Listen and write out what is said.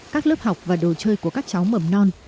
các lớp học và đồ chơi của các cháu mầm non